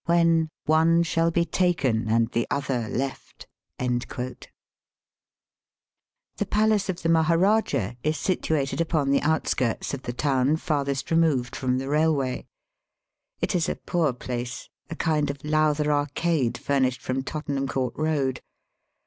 when " one. shall be taken and the other left."_ The palace of the Maharajah is situated upon the outskirts of the town farthest re moved from the railway. It is a poor place, a kind of Lowther Arcade furnished from Tottenham Court Eoad.